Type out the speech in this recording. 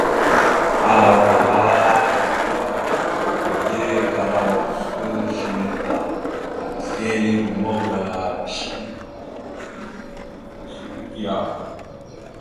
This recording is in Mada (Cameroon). Arawak ahala vvaɗ : mege karawa gosko shəmeh ta, amesle ya romma gwala shew ɗek yaw ?